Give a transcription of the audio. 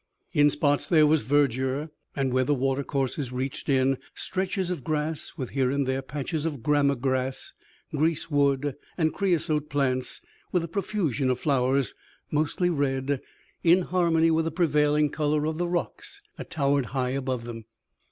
In spots there was verdure, and, where the water courses reached in, stretches of grass with here and there patches of gramma grass, grease wood and creosote plants with a profusion of flowers, mostly red, in harmony with the prevailing color of the rocks that towered high above them.